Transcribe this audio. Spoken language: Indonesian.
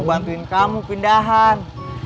bantuin kamu pindahan